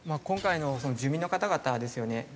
今回のその住民の方々ですよね。